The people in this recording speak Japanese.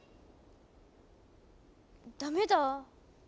ダメだ。